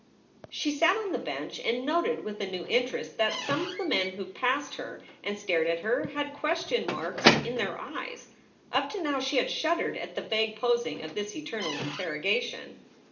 She sat on the bench and noted with a new interest that some of the men who passed her and stared at her had question marks in their eyes. Up to now she had shuddered at the vague posing of this eternal interrogation.